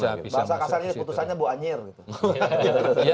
bangsa kasarnya putusannya bu anjir gitu